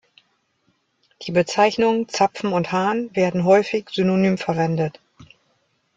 Die Bezeichnungen Zapfen und Hahn werden häufig synonym verwendet.